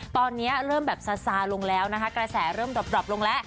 ตอนเริ่มแบบซาลงะละนะคะกระแสเริ่มดับลงละ